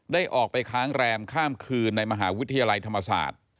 ได้ออกไปค้างแรมข้ามคืนในมหาวิทยาลัยธรรมศาสตร์